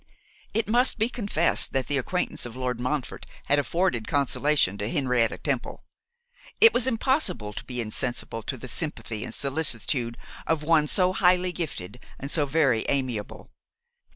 It must be confessed that the acquaintance of Lord Montfort had afforded consolation to Henrietta Temple. It was impossible to be insensible to the sympathy and solicitude of one so highly gifted and so very amiable.